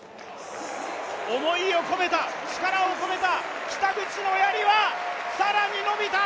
思いを込めた、力を込めた北口のやりは、更に伸びた。